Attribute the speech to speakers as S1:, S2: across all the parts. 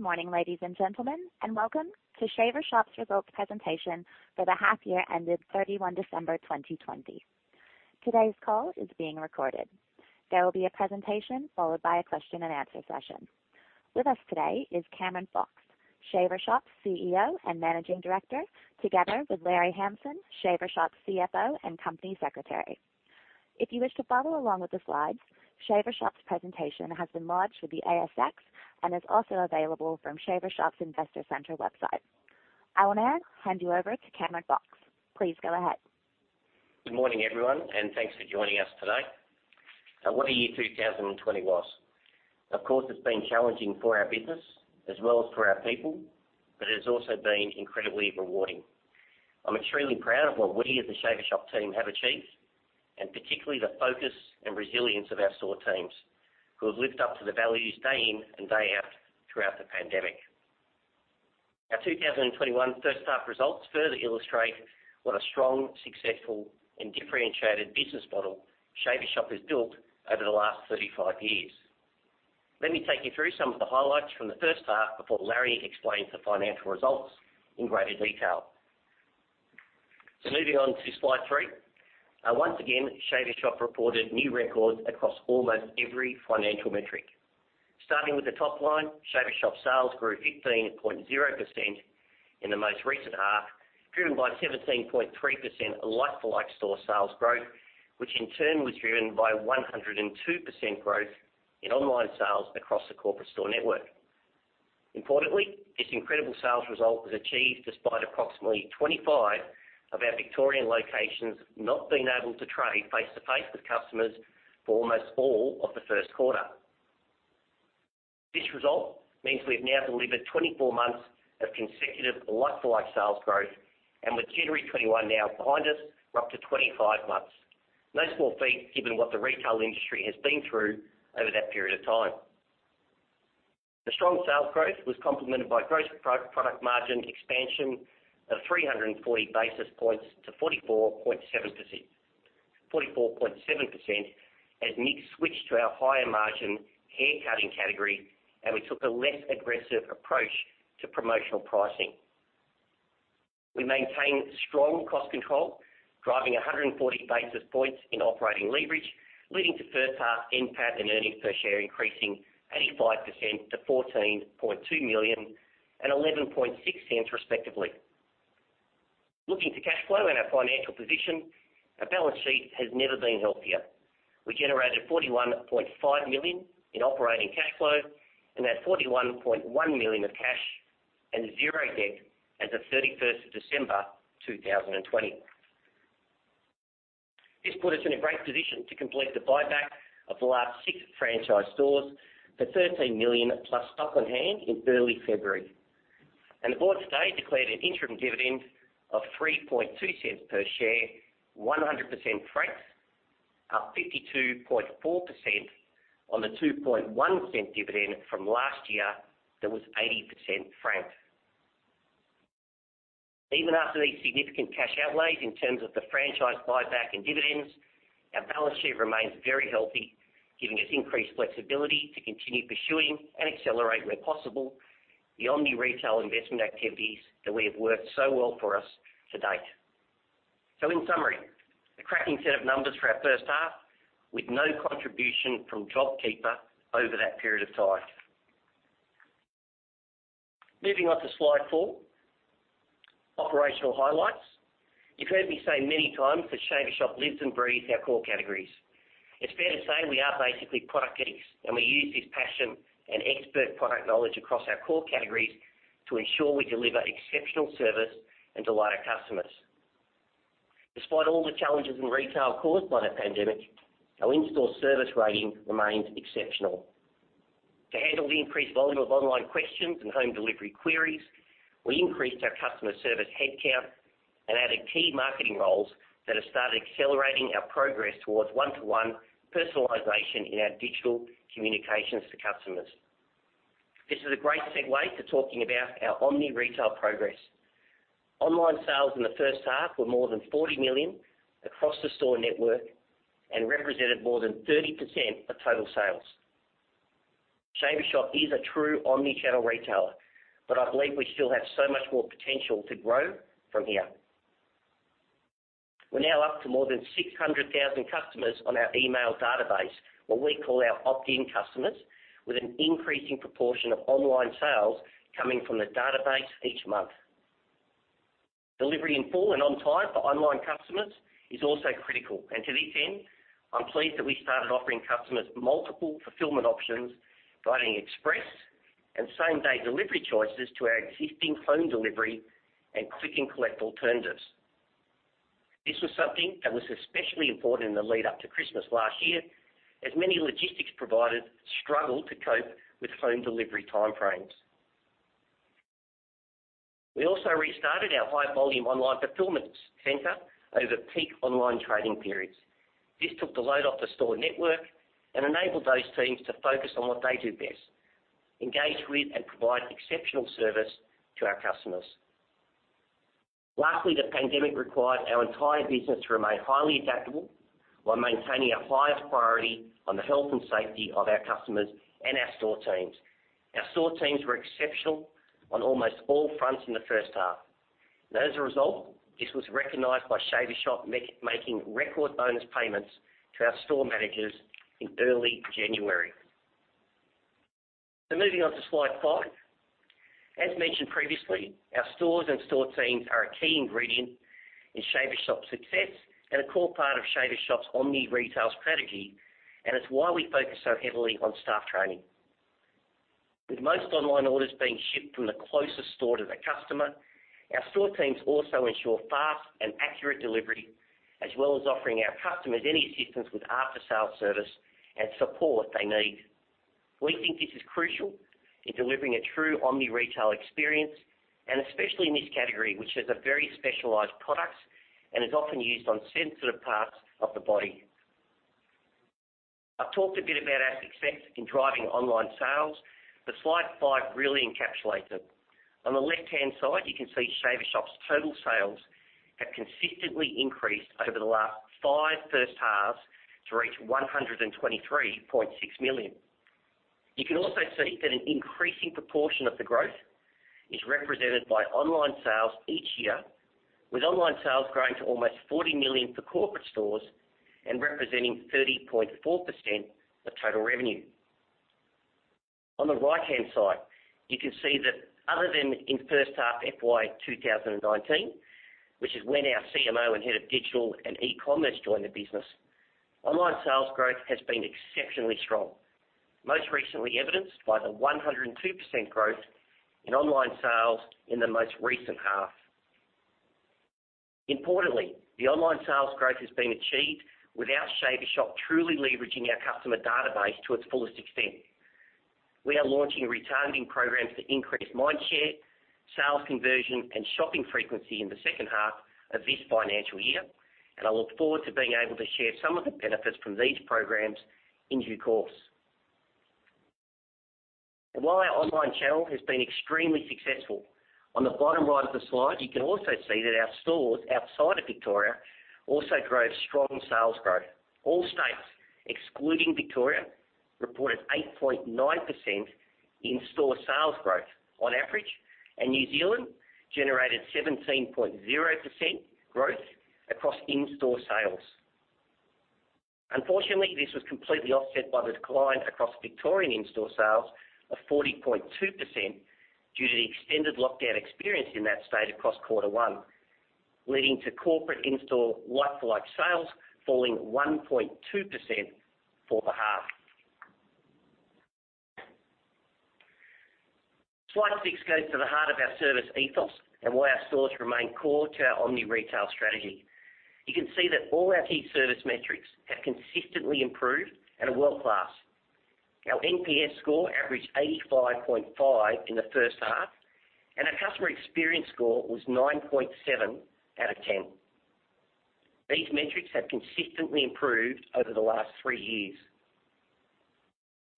S1: Good morning, ladies and gentlemen, welcome to Shaver Shop's results presentation for the half-year ended 31 December 2020. Today's call is being recorded. There will be a presentation followed by a question and answer session. With us today is Cameron Fox, Shaver Shop's CEO and Managing Director, together with Larry Hamson, Shaver Shop's CFO and Company Secretary. If you wish to follow along with the slides, Shaver Shop's presentation has been lodged with the ASX and is also available from Shaver Shop's Investor Centre website. I will now hand you over to Cameron Fox. Please go ahead.
S2: Good morning, everyone, and thanks for joining us today. What a year 2020 was. Of course, it's been challenging for our business as well as for our people, but it has also been incredibly rewarding. I'm extremely proud of what we as the Shaver Shop team have achieved, and particularly the focus and resilience of our store teams, who have lived up to the values day in and day out throughout the pandemic. Our 2021 first half results further illustrate what a strong, successful and differentiated business model Shaver Shop has built over the last 35 years. Let me take you through some of the highlights from the first half before Larry explains the financial results in greater detail. Moving on to slide three. Once again, Shaver Shop reported new records across almost every financial metric. Starting with the top line, Shaver Shop sales grew 15.0% in the most recent half, driven by 17.3% like-for-like store sales growth, which in turn was driven by 102% growth in online sales across the corporate store network. Importantly, this incredible sales result was achieved despite approximately 25 of our Victorian locations not being able to trade face-to-face with customers for almost all of the first quarter. This result means we've now delivered 24 months of consecutive like-for-like sales growth, and with Q3 2021 now behind us, we're up to 25 months. No small feat, given what the retail industry has been through over that period of time. The strong sales growth was complemented by gross product margin expansion of 340 basis points to 44.7% as mix switched to our higher margin hair cutting category and we took a less aggressive approach to promotional pricing. We maintained strong cost control, driving 140 basis points in operating leverage, leading to first half NPAT and earnings per share increasing 85% to 14.2 million and 0.116 respectively. Looking to cash flow and our financial position, our balance sheet has never been healthier. We generated 41.5 million in operating cash flow and had 41.1 million of cash and zero debt as at 31st of December 2020. This put us in a great position to complete the buyback of the last six franchise stores for 13 million-plus stock on hand in early February. The board today declared an interim dividend of 0.032 per share, 100% franked, up 52.4% on the 0.021 dividend from last year that was 80% franked. Even after these significant cash outlays in terms of the franchise buyback and dividends, our balance sheet remains very healthy, giving us increased flexibility to continue pursuing and accelerate where possible the omni-retail investment activities that have worked so well for us to date. In summary, a cracking set of numbers for our first half, with no contribution from JobKeeper over that period of time. Moving on to slide four, operational highlights. You've heard me say many times that Shaver Shop lives and breathes our core categories. It's fair to say we are basically product geeks, and we use this passion and expert product knowledge across our core categories to ensure we deliver exceptional service and delight our customers. Despite all the challenges in retail caused by the pandemic, our in-store service rating remains exceptional. To handle the increased volume of online questions and home delivery queries, we increased our customer service headcount and added key marketing roles that have started accelerating our progress towards one-to-one personalization in our digital communications to customers. This is a great segue to talking about our omni-retail progress. Online sales in the first half were more than 40 million across the store network and represented more than 30% of total sales. Shaver Shop is a true omni-channel retailer, but I believe we still have so much more potential to grow from here. We're now up to more than 600,000 customers on our email database, what we call our opt-in customers, with an increasing proportion of online sales coming from the database each month. Delivery in full and on time for online customers is also critical. To this end, I'm pleased that we started offering customers multiple fulfillment options, providing express and same-day delivery choices to our existing home delivery and Click and Collect alternatives. This was something that was especially important in the lead up to Christmas last year, as many logistics providers struggled to cope with home delivery time frames. We also restarted our high volume online fulfillment center over peak online trading periods. This took the load off the store network and enabled those teams to focus on what they do best, engage with and provide exceptional service to our customers. Lastly, the pandemic required our entire business to remain highly adaptable while maintaining our highest priority on the health and safety of our customers and our store teams. Our store teams were exceptional on almost all fronts in the first half. As a result, this was recognized by Shaver Shop making record bonus payments to our store managers in early January. Moving on to slide five. As mentioned previously, our stores and store teams are a key ingredient in Shaver Shop's success and a core part of Shaver Shop's omni-retail strategy, and it's why we focus so heavily on staff training. With most online orders being shipped from the closest store to the customer, our store teams also ensure fast and accurate delivery, as well as offering our customers any assistance with after-sale service and support they need. We think this is crucial in delivering a true omni-retail experience, and especially in this category, which has very specialized products and is often used on sensitive parts of the body. I've talked a bit about our success in driving online sales, but slide five really encapsulates it. On the left-hand side, you can see Shaver Shop's total sales have consistently increased over the last five first halves to reach 123.6 million. You can also see that an increasing proportion of the growth is represented by online sales each year, with online sales growing to almost 40 million for corporate stores and representing 30.4% of total revenue. On the right-hand side, you can see that other than in first half FY 2019, which is when our CMO and Head of Digital and E-commerce joined the business, online sales growth has been exceptionally strong, most recently evidenced by the 102% growth in online sales in the most recent half. Importantly, the online sales growth has been achieved without Shaver Shop truly leveraging our customer database to its fullest extent. We are launching retargeting programs to increase mind share, sales conversion, and shopping frequency in the second half of this financial year. I look forward to being able to share some of the benefits from these programs in due course. While our online channel has been extremely successful, on the bottom right of the slide, you can also see that our stores outside of Victoria also drove strong sales growth. All states, excluding Victoria, reported 8.9% in-store sales growth on average, and New Zealand generated 17.0% growth across in-store sales. Unfortunately, this was completely offset by the decline across Victorian in-store sales of 40.2% due to the extended lockdown experienced in that state across quarter one, leading to corporate in-store like-for-like sales falling 1.2% for the half. Slide six goes to the heart of our service ethos and why our stores remain core to our omni-retail strategy. You can see that all our key service metrics have consistently improved and are world-class. Our NPS score averaged 85.5 in the first half, and our customer experience score was 9.7 out of 10. These metrics have consistently improved over the last three years.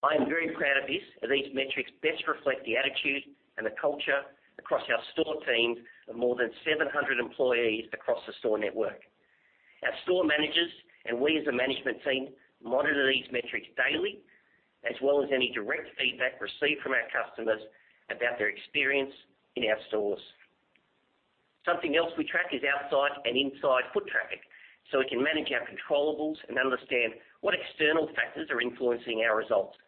S2: I am very proud of this, as these metrics best reflect the attitude and the culture across our store teams of more than 700 employees across the store network. Our store managers and we as a management team monitor these metrics daily, as well as any direct feedback received from our customers about their experience in our stores. Something else we track is outside and inside foot traffic, so we can manage our controllables and understand what external factors are influencing our results,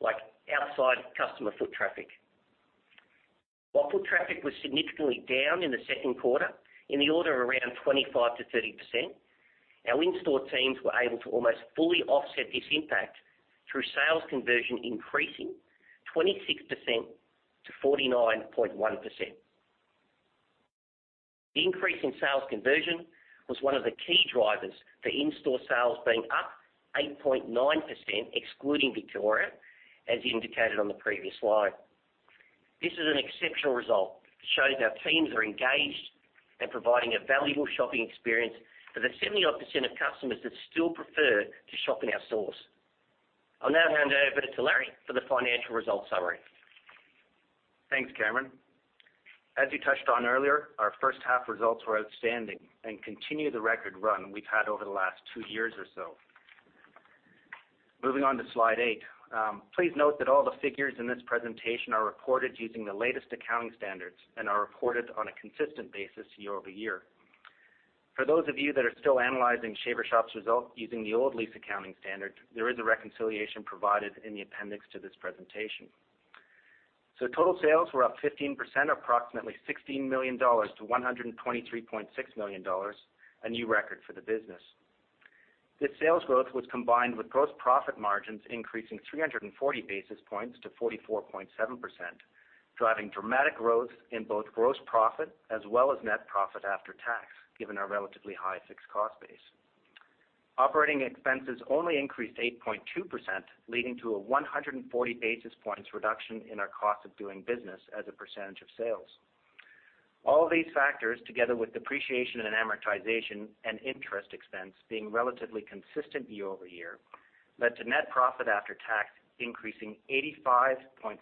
S2: like outside customer foot traffic. While foot traffic was significantly down in the second quarter, in the order of around 25%-30%, our in-store teams were able to almost fully offset this impact through sales conversion increasing 26% to 49.1%. The increase in sales conversion was one of the key drivers for in-store sales being up 8.9%, excluding Victoria, as indicated on the previous slide. This is an exceptional result. It shows our teams are engaged and providing a valuable shopping experience for the 70%-odd of customers that still prefer to shop in our stores. I'll now hand over to Larry for the financial results summary.
S3: Thanks, Cameron. As you touched on earlier, our first half results were outstanding and continue the record run we've had over the last two years or so. Moving on to slide eight. Please note that all the figures in this presentation are reported using the latest accounting standards and are reported on a consistent basis year-over-year. For those of you that are still analyzing Shaver Shop's results using the old lease accounting standard, there is a reconciliation provided in the appendix to this presentation. Total sales were up 15%, approximately 16 million dollars to 123.6 million dollars, a new record for the business. This sales growth was combined with gross profit margins increasing 340 basis points to 44.7%, driving dramatic growth in both gross profit as well as net profit after tax, given our relatively high fixed cost base. Operating expenses only increased 8.2%, leading to a 140 basis points reduction in our cost of doing business as a percentage of sales. All these factors, together with depreciation and amortization and interest expense being relatively consistent year-over-year led to net profit after tax increasing 85.5%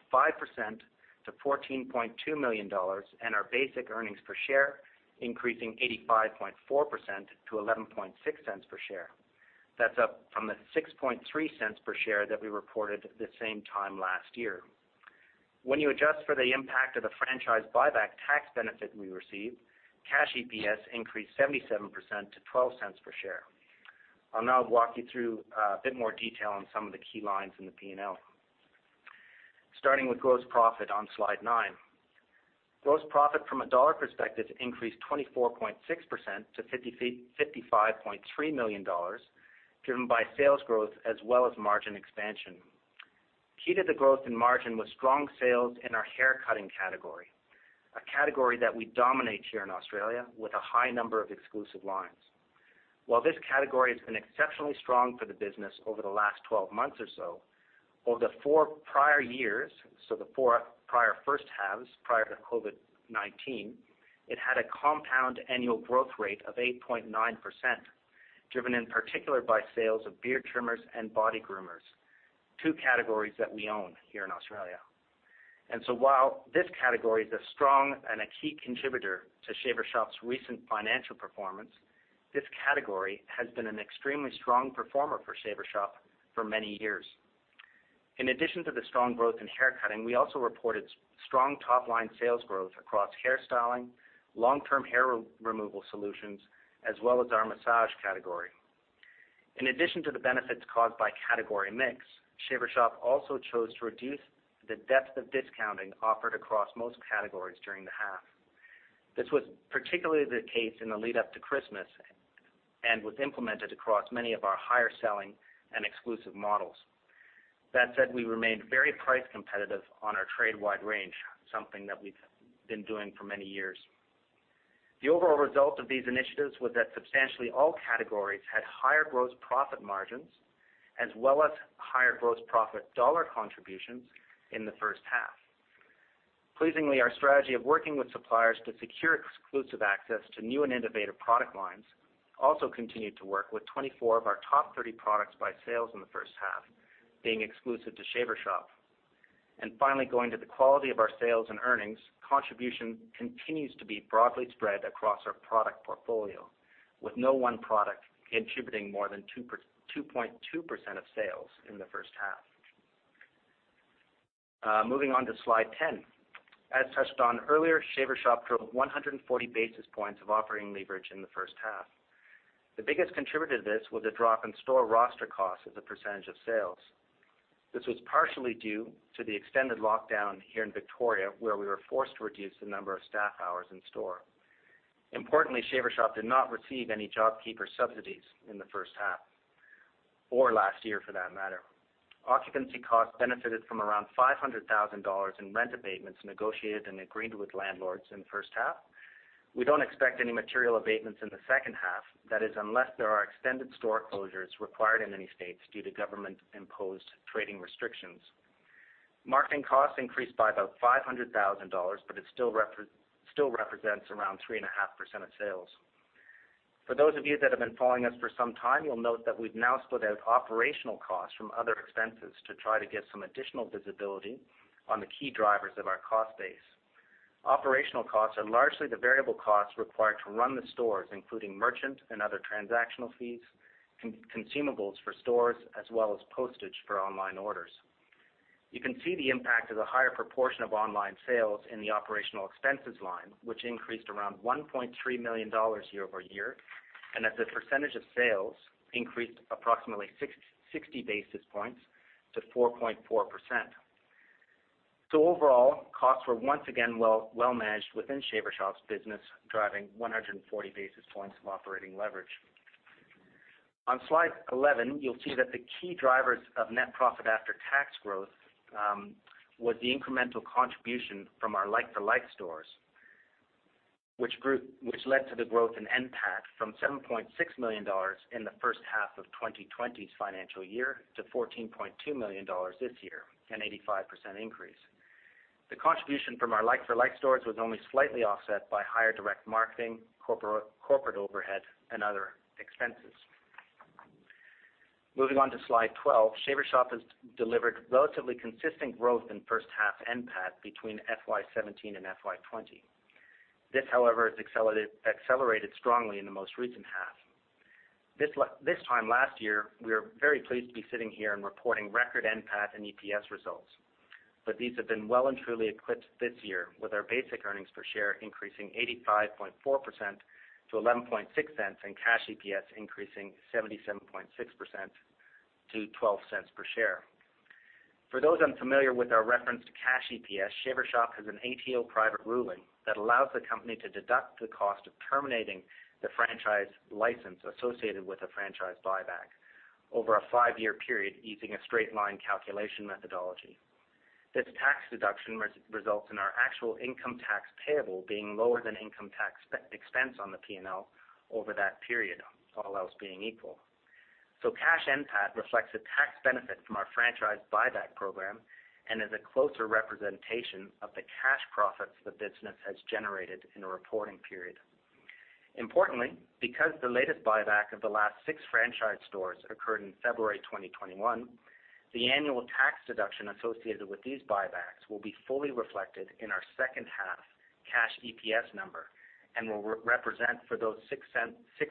S3: to 14.2 million dollars, and our basic earnings per share increasing 85.4% to 0.116 per share. That's up from the 0.063 per share that we reported this same time last year. When you adjust for the impact of the franchise buyback tax benefit we received, cash EPS increased 77% to 0.12 per share. I'll now walk you through a bit more detail on some of the key lines in the P&L. Starting with gross profit on slide nine. Gross profit from a dollar perspective increased 24.6% to 55.3 million dollars, driven by sales growth as well as margin expansion. Key to the growth in margin was strong sales in our haircutting category, a category that we dominate here in Australia with a high number of exclusive lines. While this category has been exceptionally strong for the business over the last 12 months or so, over the four prior years, so the four prior first halves prior to COVID-19, it had a compound annual growth rate of 8.9%, driven in particular by sales of beard trimmers and body groomers, two categories that we own here in Australia. While this category is a strong and a key contributor to Shaver Shop's recent financial performance, this category has been an extremely strong performer for Shaver Shop for many years. In addition to the strong growth in haircutting, we also reported strong top-line sales growth across hairstyling, long-term hair removal solutions, as well as our massage category. In addition to the benefits caused by category mix, Shaver Shop also chose to reduce the depth of discounting offered across most categories during the half. This was particularly the case in the lead up to Christmas, and was implemented across many of our higher selling and exclusive models. That said, we remained very price competitive on our trade-wide range, something that we've been doing for many years. The overall result of these initiatives was that substantially all categories had higher gross profit margins as well as higher gross profit dollar contributions in the first half. Pleasingly, our strategy of working with suppliers to secure exclusive access to new and innovative product lines also continued to work with 24 of our top 30 products by sales in the first half being exclusive to Shaver Shop. Finally, going to the quality of our sales and earnings, contribution continues to be broadly spread across our product portfolio, with no one product contributing more than 2.2% of sales in the first half. Moving on to slide 10. As touched on earlier, Shaver Shop drove 140 basis points of operating leverage in the first half. The biggest contributor to this was a drop in store roster costs as a percentage of sales. This was partially due to the extended lockdown here in Victoria, where we were forced to reduce the number of staff hours in store. Importantly, Shaver Shop did not receive any JobKeeper subsidies in the first half, or last year for that matter. Occupancy costs benefited from around 500,000 dollars in rent abatements negotiated and agreed with landlords in the first half. We don't expect any material abatements in the second half, that is unless there are extended store closures required in any states due to government-imposed trading restrictions. Marketing costs increased by about 500,000 dollars, it still represents around 3.5% of sales. For those of you that have been following us for some time, you'll note that we've now split out operational costs from other expenses to try to get some additional visibility on the key drivers of our cost base. Operational costs are largely the variable costs required to run the stores, including merchant and other transactional fees, consumables for stores, as well as postage for online orders. You can see the impact of the higher proportion of online sales in the operational expenses line, which increased around 1.3 million dollars year-over-year, and as a percentage of sales, increased approximately 60 basis points to 4.4%. Overall, costs were once again well managed within Shaver Shop's business, driving 140 basis points of operating leverage. On slide 11, you'll see that the key drivers of net profit after tax growth was the incremental contribution from our like-for-like stores, which led to the growth in NPAT from 7.6 million dollars in the first half of 2020's financial year to 14.2 million dollars this year, an 85% increase. The contribution from our like-for-like stores was only slightly offset by higher direct marketing, corporate overhead, and other expenses. Moving on to slide 12. Shaver Shop has delivered relatively consistent growth in first half NPAT between FY 2017 and FY 2020. This, however, has accelerated strongly in the most recent half. This time last year, we were very pleased to be sitting here and reporting record NPAT and EPS results, but these have been well and truly eclipsed this year, with our basic earnings per share increasing 85.4% to 0.116 and cash EPS increasing 77.6% to 0.12 per share. For those unfamiliar with our reference to cash EPS, Shaver Shop has an ATO private ruling that allows the company to deduct the cost of terminating the franchise license associated with a franchise buyback over a five-year period using a straight-line calculation methodology. This tax deduction results in our actual income tax payable being lower than income tax expense on the P&L over that period, all else being equal. Cash NPAT reflects the tax benefit from our franchise buyback program and is a closer representation of the cash profits the business has generated in a reporting period. Importantly, because the latest buyback of the last six franchise stores occurred in February 2021, the annual tax deduction associated with these buybacks will be fully reflected in our second-half cash EPS number, and will represent for those six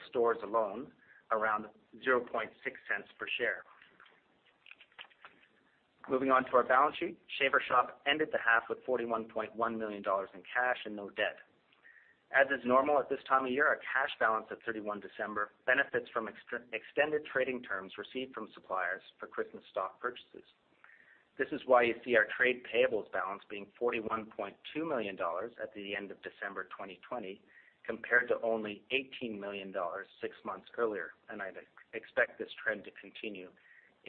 S3: stores alone, around 0.006 per share. Moving on to our balance sheet, Shaver Shop ended the half with AUD 41.1 million in cash and no debt. As is normal at this time of year, our cash balance at 31 December benefits from extended trading terms received from suppliers for Christmas stock purchases. This is why you see our trade payables balance being 41.2 million dollars at the end of December 2020, compared to only 18 million dollars six months earlier. I'd expect this trend to continue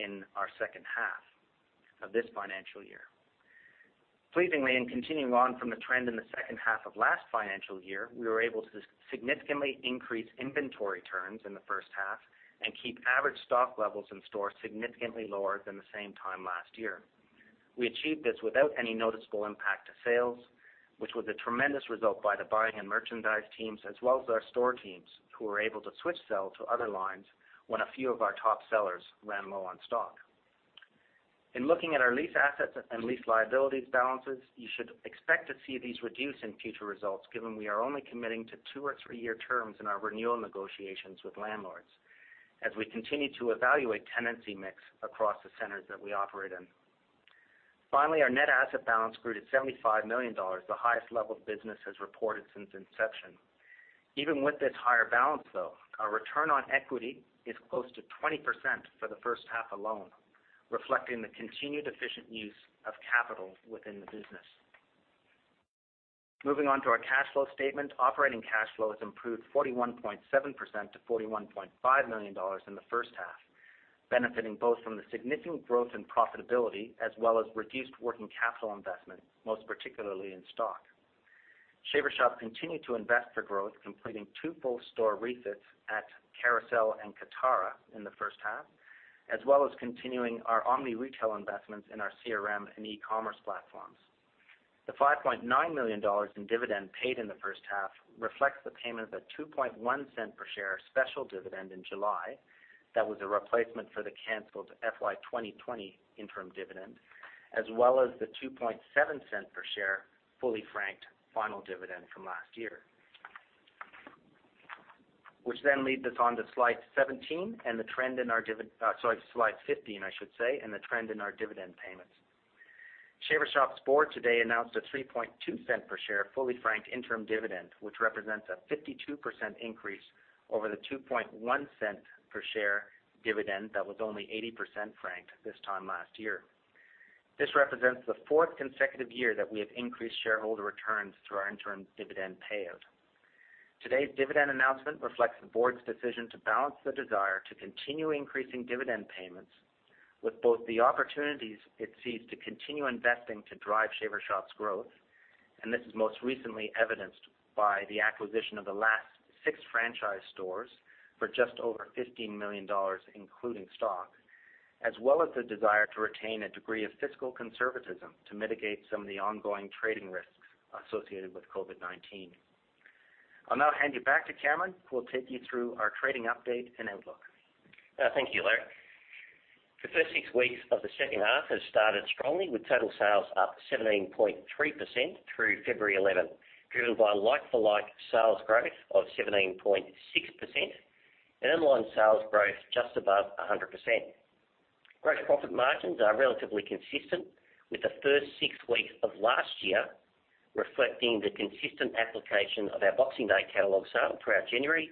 S3: in our second half of this financial year. Pleasingly, and continuing on from the trend in the second half of last financial year, we were able to significantly increase inventory turns in the first half, and keep average stock levels in stores significantly lower than the same time last year. We achieved this without any noticeable impact to sales, which was a tremendous result by the buying and merchandise teams, as well as our store teams, who were able to switch sell to other lines when a few of our top sellers ran low on stock. In looking at our lease assets and lease liabilities balances, you should expect to see these reduce in future results, given we are only committing to two or three-year terms in our renewal negotiations with landlords, as we continue to evaluate tenancy mix across the centers that we operate in. Finally, our net asset balance grew to 75 million dollars, the highest level the business has reported since inception. Even with this higher balance, though, our return on equity is close to 20% for the first half alone, reflecting the continued efficient use of capital within the business. Moving on to our cash flow statement. Operating cash flow has improved 41.7% to 41.5 million dollars in the first half, benefiting both from the significant growth and profitability, as well as reduced working capital investment, most particularly in stock. Shaver Shop continued to invest for growth, completing two full store refits at Carousel and Kotara in the first half, as well as continuing our omni-retail investments in our CRM and e-commerce platforms. The 5.9 million dollars in dividend paid in the first half reflects the payment of an 0.021 per share special dividend in July that was a replacement for the canceled FY 2020 interim dividend, as well as the 0.027 per share fully franked final dividend from last year. Which leads us on to slide 17. Sorry, slide 15, I should say, and the trend in our dividend payments. Shaver Shop's board today announced an 0.032 per share fully franked interim dividend, which represents a 52% increase over the 0.021 per share dividend that was only 80% franked this time last year. This represents the fourth consecutive year that we have increased shareholder returns through our interim dividend payout. Today's dividend announcement reflects the board's decision to balance the desire to continue increasing dividend payments with both the opportunities it sees to continue investing to drive Shaver Shop's growth. This is most recently evidenced by the acquisition of the last six franchise stores for just over 15 million dollars, including stock, as well as the desire to retain a degree of fiscal conservatism to mitigate some of the ongoing trading risks associated with COVID-19. I'll now hand you back to Cameron, who will take you through our trading update and outlook.
S2: Thank you, Larry. The first six weeks of the second half have started strongly with total sales up 17.3% through February 11th, driven by like-for-like sales growth of 17.6% and online sales growth just above 100%. Gross profit margins are relatively consistent with the first six weeks of last year, reflecting the consistent application of our Boxing Day catalog sale throughout January,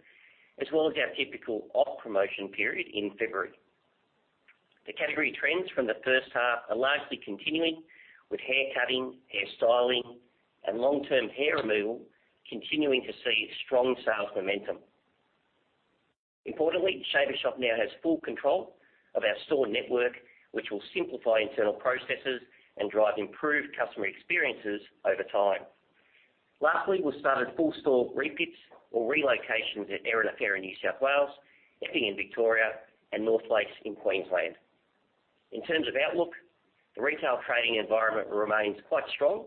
S2: as well as our typical off-promotion period in February. The category trends from the first half are largely continuing, with hair cutting, hair styling, and long-term hair removal continuing to see strong sales momentum. Importantly, Shaver Shop now has full control of our store network, which will simplify internal processes and drive improved customer experiences over time. Lastly, we've started full store refits or relocations at Erina Fair in New South Wales, Epping in Victoria, and North Lakes in Queensland. In terms of outlook, the retail trading environment remains quite strong,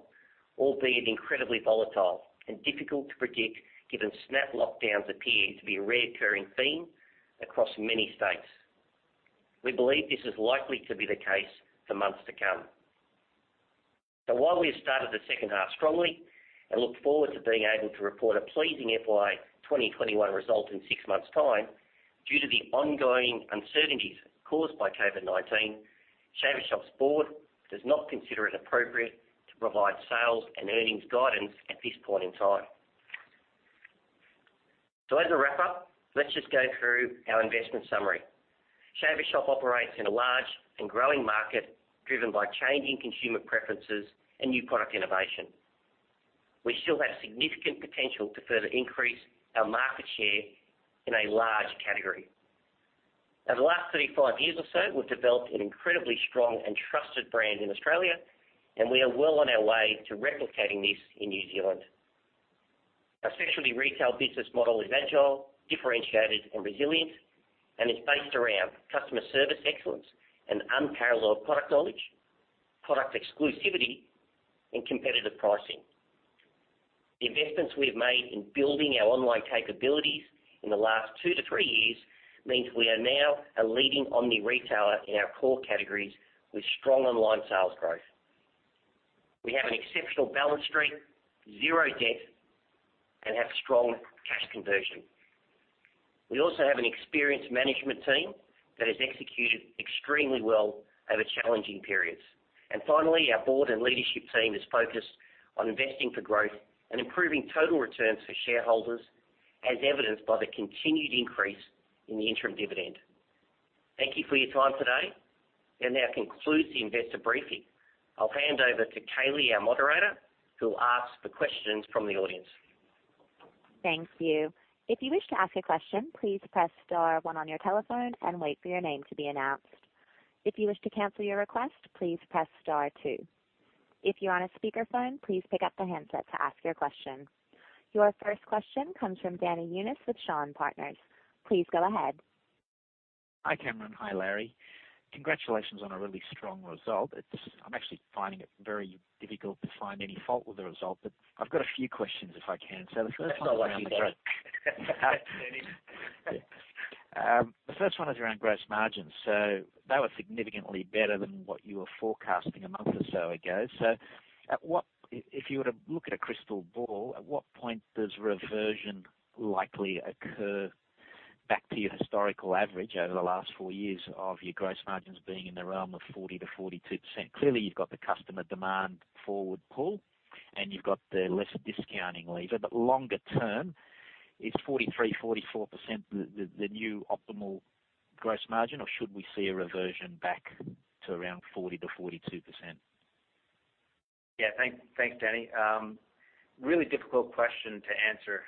S2: albeit incredibly volatile and difficult to predict, given snap lockdowns appear to be a reoccurring theme across many states. We believe this is likely to be the case for months to come. While we have started the second half strongly and look forward to being able to report a pleasing FY 2021 result in six months' time, due to the ongoing uncertainties caused by COVID-19, Shaver Shop's board does not consider it appropriate to provide sales and earnings guidance at this point in time. As a wrap-up, let's just go through our investment summary. Shaver Shop operates in a large and growing market driven by changing consumer preferences and new product innovation. We still have significant potential to further increase our market share in a large category. Over the last 35 years or so, we've developed an incredibly strong and trusted brand in Australia, and we are well on our way to replicating this in New Zealand. Our specialty retail business model is agile, differentiated, and resilient, and is based around customer service excellence and unparalleled product knowledge, product exclusivity and competitive pricing. The investments we have made in building our online capabilities in the last two to three years means we are now a leading omni-retailer in our core categories with strong online sales growth. We have an exceptional balance sheet, zero debt, and have strong cash conversion. We also have an experienced management team that has executed extremely well over challenging periods. Finally, our board and leadership team is focused on investing for growth and improving total returns for shareholders, as evidenced by the continued increase in the interim dividend. Thank you for your time today, and that concludes the investor briefing. I'll hand over to Kaylee, our moderator, who'll ask for questions from the audience.
S1: Thank you. If you wish to ask a question, please press star one on your telephone and wait for your name to be announced. If you wish to cancel your request, please press star two. If you are on a speakerphone, please pick up the handset to ask your question. Your first question comes from Danny Younis with Shaw and Partners. Please go ahead.
S4: Hi, Cameron. Hi, Larry. Congratulations on a really strong result. I'm actually finding it very difficult to find any fault with the result, but I've got a few questions if I can. The first one.
S2: That's not what you said.
S4: The first one is around gross margins. They were significantly better than what you were forecasting a month or so ago. If you were to look at a crystal ball, at what point does reversion likely occur back to your historical average over the last four years of your gross margins being in the realm of 40%-42%? Clearly, you've got the customer demand forward pull, and you've got the lesser discounting lever. But longer term, is 43%, 44% the new optimal gross margin, or should we see a reversion back to around 40%-42%?
S3: Yeah. Thanks, Danny. Really difficult question to answer.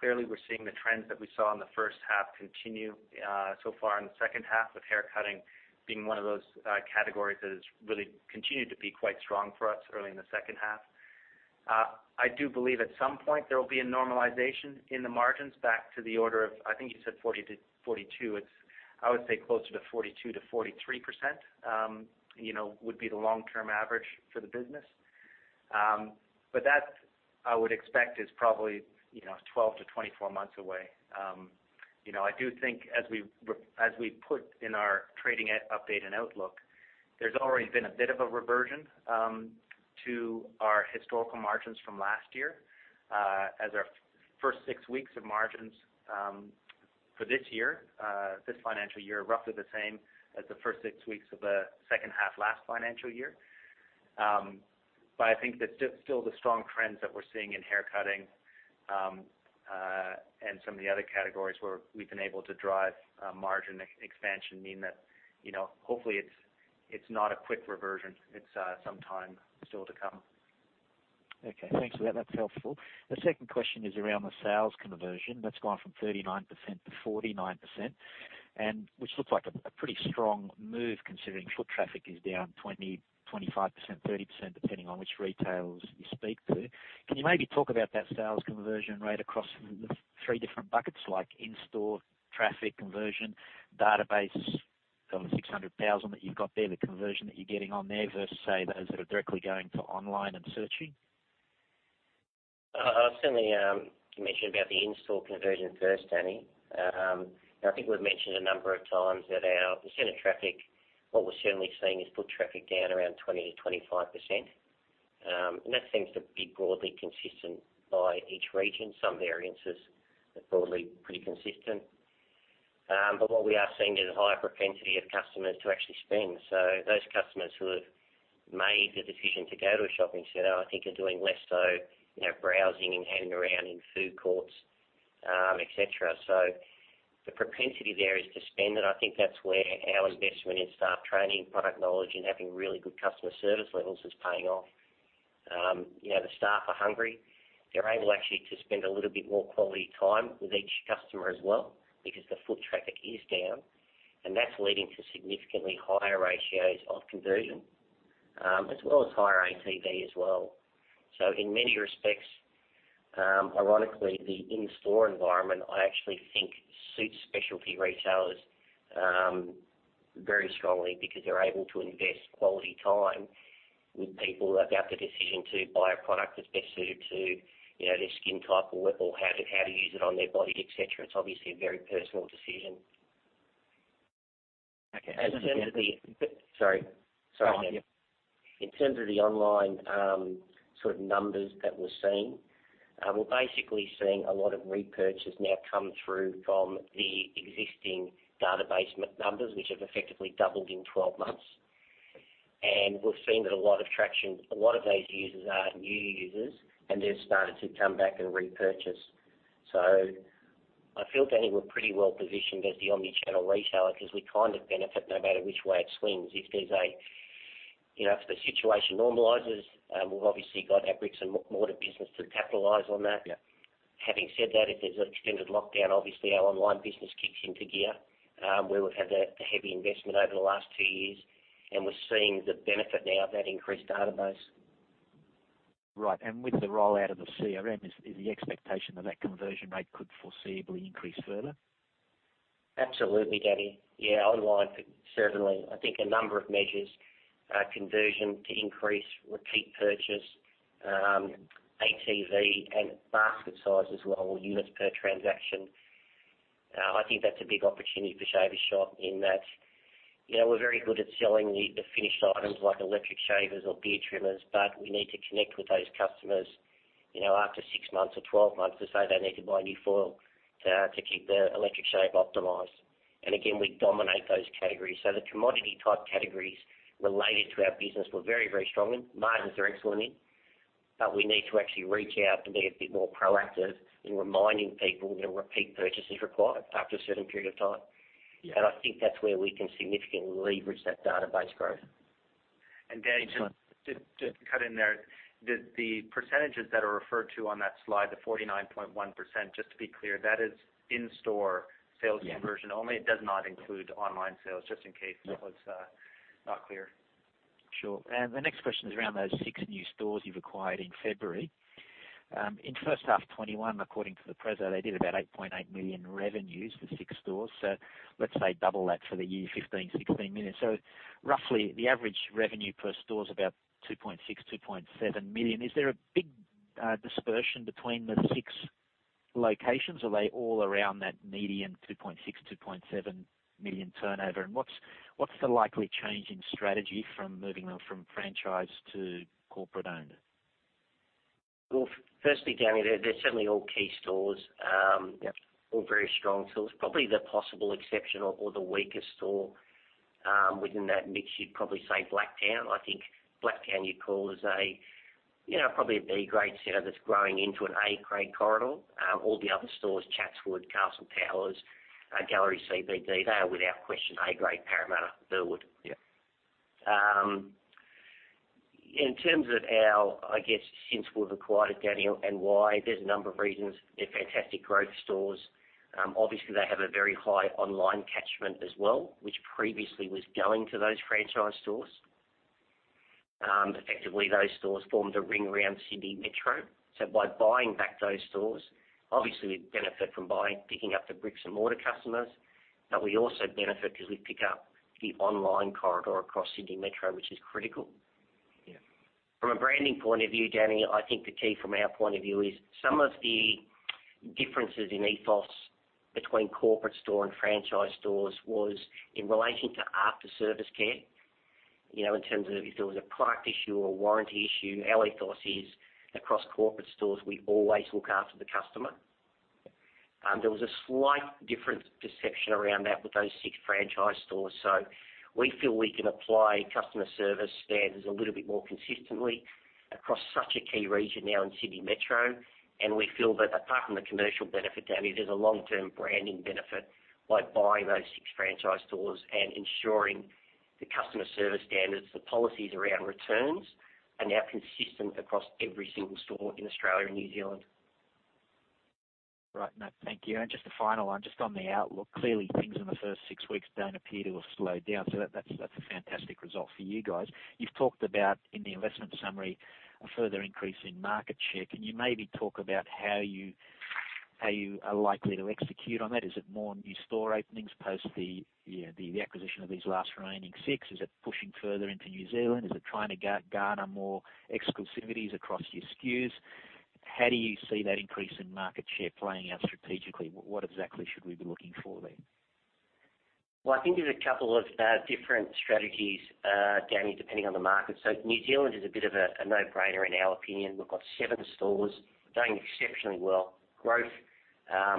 S3: Clearly, we're seeing the trends that we saw in the first half continue so far in the second half, with haircutting being one of those categories that has really continued to be quite strong for us early in the second half. I do believe at some point there will be a normalization in the margins back to the order of, I think you said 40%-42%. I would say closer to 42%-43%, would be the long-term average for the business. That, I would expect, is probably 12-24 months away. I do think as we put in our trading update and outlook, there's already been a bit of a reversion to our historical margins from last year, as our first six weeks of margins for this financial year are roughly the same as the first six weeks of the second half last financial year. I think that still the strong trends that we're seeing in haircutting, and some of the other categories where we've been able to drive margin expansion mean that hopefully it's not a quick reversion. It's some time still to come.
S4: Okay. Thanks for that. That's helpful. The second question is around the sales conversion. That's gone from 39% to 49%, which looks like a pretty strong move considering foot traffic is down 20%, 25%, 30%, depending on which retailers you speak to. Can you maybe talk about that sales conversion rate across the three different buckets, like in-store traffic conversion, database of 600,000 that you've got there, the conversion that you're getting on there versus, say, those that are directly going to online and searching?
S2: I'll certainly mention about the in-store conversion first, Danny. I think we've mentioned a number of times that our percent of traffic, what we're certainly seeing is foot traffic down around 20%-25%. That seems to be broadly consistent by each region. Some variances are broadly pretty consistent. What we are seeing is a higher propensity of customers to actually spend. Those customers who have made the decision to go to a shopping center, I think are doing less so browsing and hanging around in food courts, et cetera. The propensity there is to spend, and I think that's where our investment in staff training, product knowledge, and having really good customer service levels is paying off. The staff are hungry. They're able actually to spend a little bit more quality time with each customer as well because the foot traffic is down, and that's leading to significantly higher ratios of conversion, as well as higher ATV as well. In many respects, ironically, the in-store environment, I actually think suits specialty retailers very strongly because they're able to invest quality time with people about the decision to buy a product that's best suited to their skin type or how to use it on their body, et cetera. It's obviously a very personal decision.
S4: Okay.
S2: Sorry.
S4: No, go on. Yeah.
S2: In terms of the online sort of numbers that we're seeing, we're basically seeing a lot of repurchases now come through from the existing database numbers, which have effectively doubled in 12 months. We've seen a lot of traction. A lot of those users are new users, and they've started to come back and repurchase. I feel, Danny, we're pretty well-positioned as the omni-channel retailer because we kind of benefit no matter which way it swings. If the situation normalizes, we've obviously got our bricks-and-mortar business to capitalize on that.
S4: Yeah.
S2: Having said that, if there's an extended lockdown, obviously our online business kicks into gear, where we've had a heavy investment over the last two years. We're seeing the benefit now of that increased database.
S4: Right. With the rollout of the CRM, is the expectation that conversion rate could foreseeably increase further?
S2: Absolutely, Danny. Yeah, online, certainly. I think a number of measures, conversion to increase repeat purchase, ATV and basket size as well, units per transaction. I think that's a big opportunity for Shaver Shop in that we're very good at selling the finished items like electric shavers or beard trimmers, but we need to connect with those customers after six months or 12 months to say they need to buy a new foil to keep the electric shave optimized. Again, we dominate those categories. The commodity-type categories related to our business were very, very strong and margins are excellent in, but we need to actually reach out and be a bit more proactive in reminding people that a repeat purchase is required after a certain period of time.
S4: Yeah.
S2: I think that's where we can significantly leverage that database growth.
S3: Danny, just to cut in there. The percentages that are referred to on that slide, the 49.1%, just to be clear, that is in-store sales conversion only. It does not include online sales, just in case that was not clear.
S4: Sure. The next question is around those six new stores you have acquired in February. In first half FY 2021, according to the preso, they did about 8.8 million revenues for six stores. So let us say double that for the year, 15 million-16 million. So roughly, the average revenue per store is about 2.6 million-2.7 million. Is there a big dispersion between the six locations? Are they all around that median 2.6 million-2.7 million turnover? And what is the likely change in strategy from moving them from franchise to corporate-owned?
S2: Well, firstly, Danny, they're certainly all key stores.
S4: Yep.
S2: All very strong stores. Probably the possible exception or the weakest store within that mix, you'd probably say Blacktown. I think Blacktown you'd call as a probably a B-grade center that's growing into an A-grade corridor. All the other stores, Chatswood, Castle Towers, The Galeries, they are without question A-grade, Parramatta, Burwood.
S4: Yeah.
S2: In terms of how, I guess, since we've acquired it, Danny, and why, there's a number of reasons. They're fantastic growth stores. Obviously, they have a very high online catchment as well, which previously was going to those franchise stores. Effectively, those stores formed a ring around Sydney Metro. By buying back those stores, obviously we benefit from buying, picking up the bricks-and-mortar customers, but we also benefit because we pick up the online corridor across Sydney Metro, which is critical.
S4: Yeah.
S2: From a branding point of view, Danny, I think the key from our point of view is some of the differences in ethos between corporate store and franchise stores was in relation to after-service care. In terms of if there was a product issue or warranty issue, our ethos is across corporate stores, we always look after the customer. There was a slight different perception around that with those six franchise stores. We feel we can apply customer service standards a little bit more consistently across such a key region now in Sydney Metro, and we feel that apart from the commercial benefit, Danny, there's a long-term branding benefit by buying those six franchise stores and ensuring the customer service standards, the policies around returns are now consistent across every single store in Australia and New Zealand.
S4: Right. No, thank you. Just a final one, just on the outlook. Clearly things in the first six weeks don't appear to have slowed down, so that's a fantastic result for you guys. You've talked about, in the investment summary, a further increase in market share. Can you maybe talk about how you are likely to execute on that? Is it more new store openings post the acquisition of these last remaining six? Is it pushing further into New Zealand? Is it trying to garner more exclusivities across your SKUs? How do you see that increase in market share playing out strategically? What exactly should we be looking for there?
S2: Well, I think there's a couple of different strategies, Danny, depending on the market. New Zealand is a bit of a no-brainer in our opinion. We've got seven stores doing exceptionally well. Growth,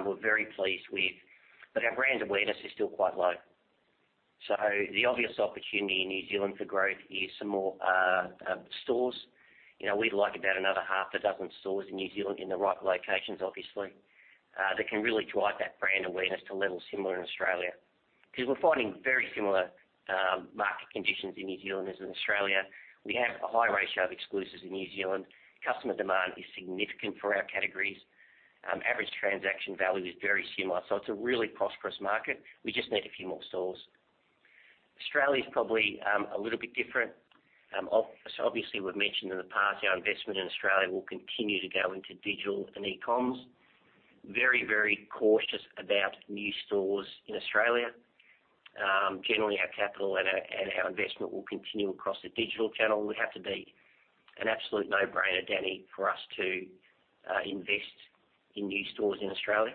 S2: we're very pleased with, but our brand awareness is still quite low. The obvious opportunity in New Zealand for growth is some more stores. We'd like about another half a dozen stores in New Zealand in the right locations, obviously, that can really drive that brand awareness to levels similar in Australia. Because we're finding very similar market conditions in New Zealand as in Australia. We have a high ratio of exclusives in New Zealand. Customer demand is significant for our categories. Average transaction value is very similar. It's a really prosperous market. We just need a few more stores. Australia's probably a little bit different. Obviously, we've mentioned in the past, our investment in Australia will continue to go into digital and e-coms. Very, very cautious about new stores in Australia. Generally, our capital and our investment will continue across the digital channel. It would have to be an absolute no-brainer, Danny, for us to invest in new stores in Australia.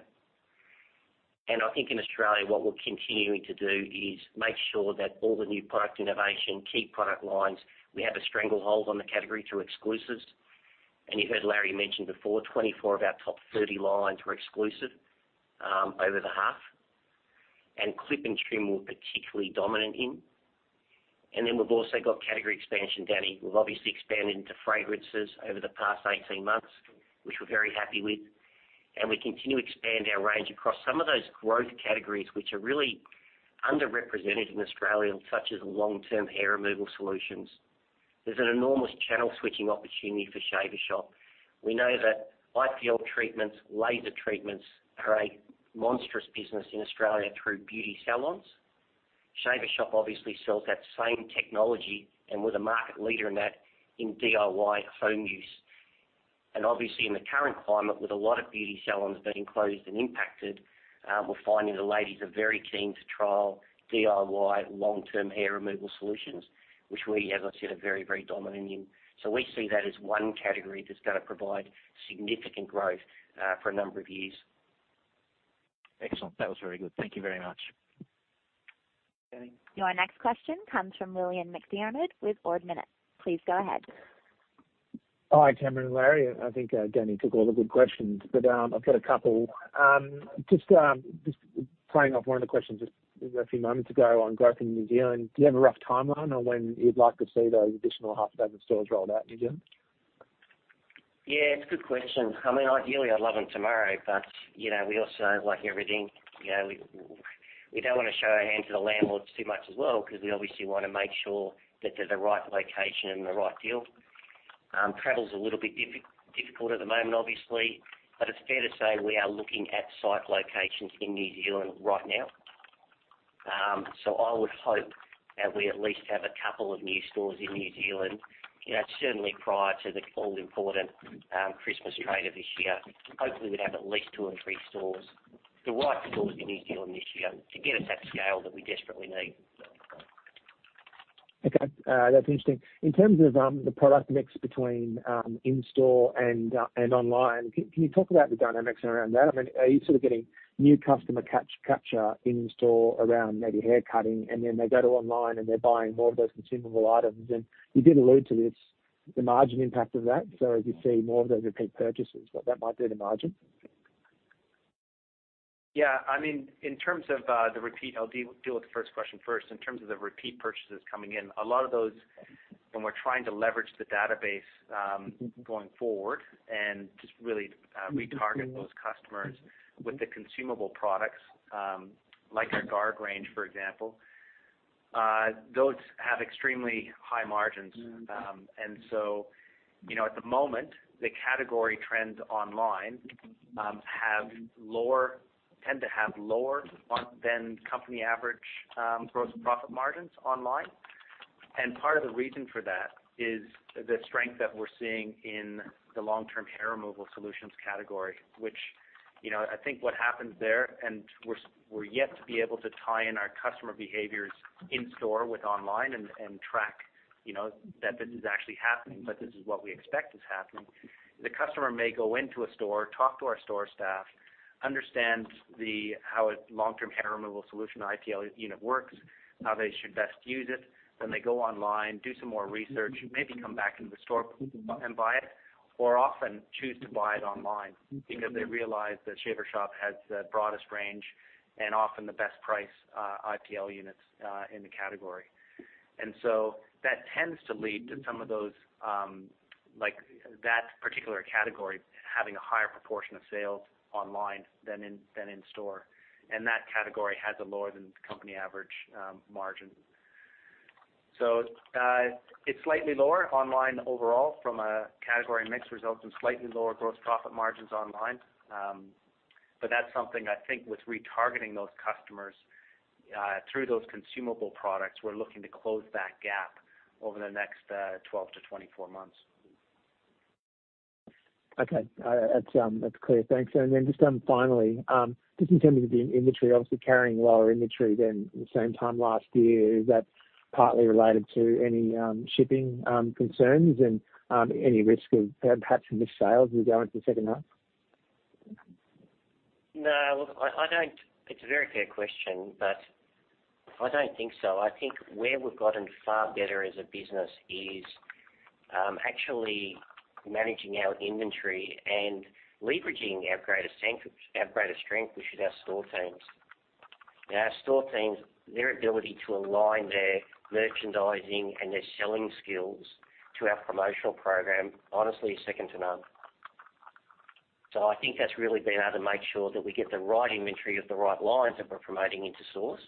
S2: I think in Australia, what we're continuing to do is make sure that all the new product innovation, key product lines, we have a stranglehold on the category through exclusives. You heard Larry mention before, 24 of our top 30 lines were exclusive, over the half, and clip and trim we're particularly dominant in. Then we've also got category expansion, Danny. We've obviously expanded into fragrances over the past 18 months, which we're very happy with, and we continue to expand our range across some of those growth categories which are really underrepresented in Australia, such as long-term hair removal solutions. There's an enormous channel-switching opportunity for Shaver Shop. We know that IPL treatments, laser treatments are a monstrous business in Australia through beauty salons. Shaver Shop obviously sells that same technology and we're the market leader in that in DIY home use. Obviously in the current climate, with a lot of beauty salons being closed and impacted, we're finding the ladies are very keen to trial DIY long-term hair removal solutions, which we, as I said, are very, very dominant in. We see that as one category that's going to provide significant growth for a number of years.
S4: Excellent. That was very good. Thank you very much.
S3: Thank you, Danny.
S1: Your next question comes from William MacDiarmid with Ord Minnett. Please go ahead.
S5: Hi, Cameron and Larry. I think Danny took all the good questions, but I've got a couple. Just playing off one of the questions just a few moments ago on growth in New Zealand, do you have a rough timeline on when you'd like to see those additional half dozen stores rolled out in New Zealand?
S2: Yeah, it's a good question. Ideally, I'd love them tomorrow, we also, like everything, we don't want to show our hand to the landlords too much as well, because we obviously want to make sure that they're the right location and the right deal. Travel's a little bit difficult at the moment, obviously, it's fair to say we are looking at site locations in New Zealand right now. I would hope that we at least have a couple of new stores in New Zealand, certainly prior to the all-important Christmas trade of this year. Hopefully, we'd have at least two or three stores, the right stores in New Zealand this year to get us that scale that we desperately need.
S5: Okay. That's interesting. In terms of the product mix between in-store and online, can you talk about the dynamics around that? Are you sort of getting new customer capture in-store around maybe haircutting, and then they go to online and they're buying more of those consumable items? You did allude to this, the margin impact of that. As you see more of those repeat purchases, what that might do to margin?
S3: Yeah. I'll deal with the first question first. In terms of the repeat purchases coming in, a lot of those, when we're trying to leverage the database going forward and just really retarget those customers with the consumable products, like our Guard range, for example, those have extremely high margins. At the moment, the category trends online tend to have lower than company average gross profit margins online. Part of the reason for that is the strength that we're seeing in the long-term hair removal solutions category, which I think what happens there, and we're yet to be able to tie in our customer behaviors in store with online and track that this is actually happening, but this is what we expect is happening. The customer may go into a store, talk to our store staff, understand how a long-term hair removal solution IPL unit works, how they should best use it. They go online, do some more research, maybe come back into the store and buy it, or often choose to buy it online because they realize that Shaver Shop has the broadest range and often the best price IPL units in the category. That tends to lead to some of those, like that particular category, having a higher proportion of sales online than in store. That category has a lower than company average margin. It's slightly lower online overall from a category mix, resulting in slightly lower gross profit margins online. That's something I think with retargeting those customers, through those consumable products, we're looking to close that gap over the next 12-24 months.
S5: Okay. That's clear. Thanks. Then just finally, just in terms of the inventory, obviously carrying lower inventory than the same time last year. Is that partly related to any shipping concerns and any risk of perhaps missed sales as we go into second half?
S2: No. It's a very fair question, but I don't think so. I think where we've gotten far better as a business is actually managing our inventory and leveraging our greater strength, which is our store teams. Our store teams, their ability to align their merchandising and their selling skills to our promotional program, honestly, is second to none. I think that's really been able to make sure that we get the right inventory of the right lines that we're promoting into stores.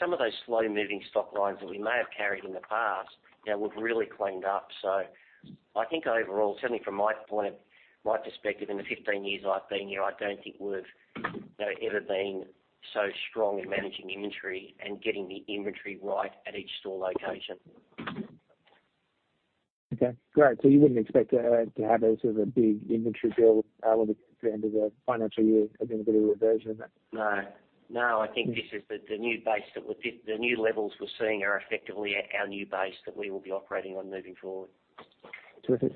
S2: Some of those slow-moving stock lines that we may have carried in the past, now we've really cleaned up. I think overall, certainly from my perspective, in the 15 years I've been here, I don't think we've ever been so strong in managing inventory and getting the inventory right at each store location.
S5: Okay, great. You wouldn't expect to have a sort of a big inventory build at the end of the financial year as anybody would urge, would they?
S2: No. I think the new levels we're seeing are effectively our new base that we will be operating on moving forward.
S5: Terrific.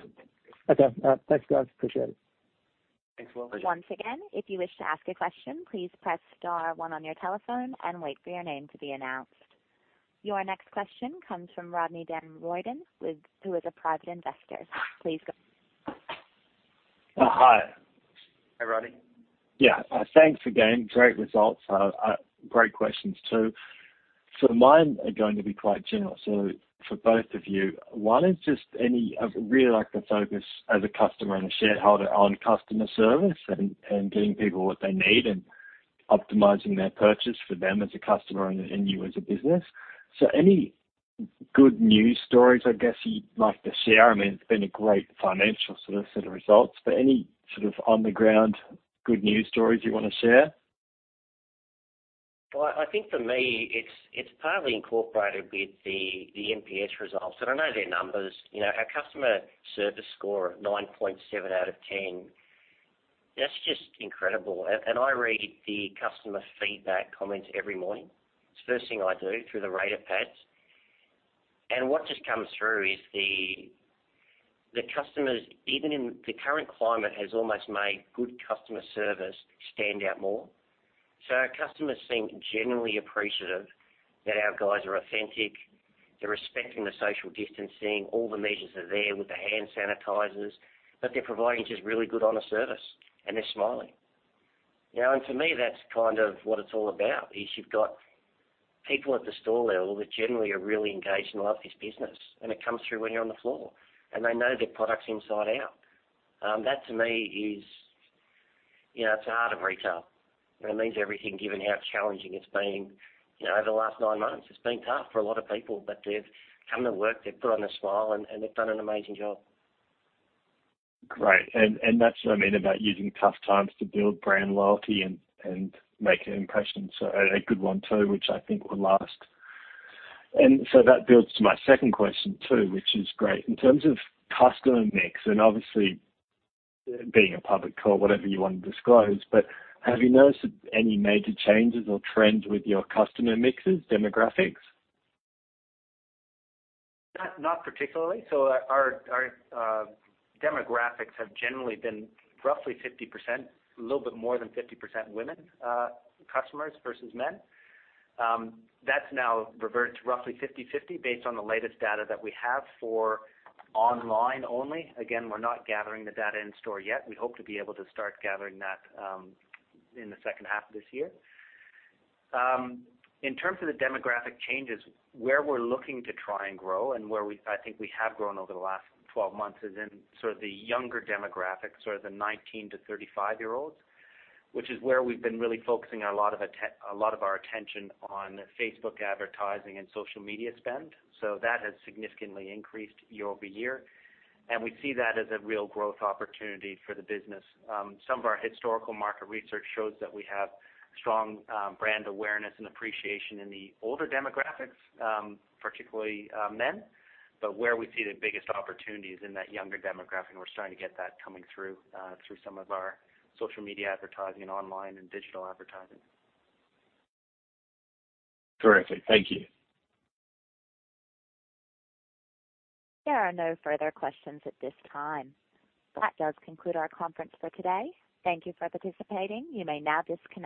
S5: Okay. Thanks, guys. Appreciate it.
S3: Thanks, William.
S1: Once again, if you wish to ask a question, please press star one on your telephone and wait for your name to be announced. Your next question comes from Rodney Denroiden, who is a private investor. Please go ahead.
S6: Hi.
S3: Hey, Rodney.
S6: Thanks again. Great results. Great questions, too. Mine are going to be quite general. For both of you, one is just I really like the focus as a customer and a shareholder on customer service and getting people what they need and optimizing that purchase for them as a customer and you as a business. Any good news stories, I guess, you'd like to share? It's been a great financial set of results, but any sort of on the ground good news stories you want to share?
S2: Well, I think for me, it's partly incorporated with the NPS results. I know their numbers, our customer service score of 9.7 out of 10, that's just incredible. I read the customer feedback comments every morning. It's the first thing I do through the Radarr. What just comes through is the customers, even in the current climate, has almost made good customer service stand out more. Our customers seem genuinely appreciative that our guys are authentic. They're respecting the social distancing. All the measures are there with the hand sanitizers, but they're providing just really good omni-service, and they're smiling. For me, that's kind of what it's all about, is you've got people at the store level that generally are really engaged and love this business, and it comes through when you're on the floor. They know their products inside out. That to me is, it's the heart of retail, and it means everything, given how challenging it's been over the last nine months. It's been tough for a lot of people, they've come to work, they've put on a smile, and they've done an amazing job.
S6: Great. That's what I mean about using tough times to build brand loyalty and make an impression. A good one, too, which I think will last. That builds to my second question, too, which is great. In terms of customer mix, and obviously being a public co, whatever you want to disclose, but have you noticed any major changes or trends with your customer mixes, demographics?
S3: Not particularly. Our demographics have generally been roughly 50%, a little bit more than 50% women customers versus men. That's now reverted to roughly 50/50 based on the latest data that we have for online only. Again, we're not gathering the data in-store yet. We hope to be able to start gathering that in the second half of this year. In terms of the demographic changes, where we're looking to try and grow and where I think we have grown over the last 12 months is in sort of the younger demographics or the 19-35-year-olds, which is where we've been really focusing a lot of our attention on Facebook advertising and social media spend. That has significantly increased year-over-year, and we see that as a real growth opportunity for the business. Some of our historical market research shows that we have strong brand awareness and appreciation in the older demographics, particularly men. Where we see the biggest opportunity is in that younger demographic, and we're starting to get that coming through some of our social media advertising and online and digital advertising.
S6: Terrific. Thank you.
S1: There are no further questions at this time. That does conclude our conference for today. Thank you for participating. You may now disconnect.